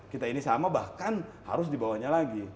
kita ini sama bahkan harus dibawanya lagi